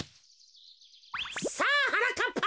さあはなかっぱ。